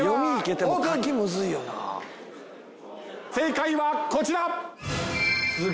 正解はこちら。